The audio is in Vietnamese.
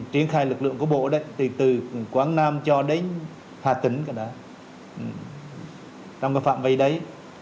triển khai lực lượng của bộ từ quảng nam cho đến hà tĩnh trong phạm vây đấy